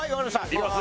いきます。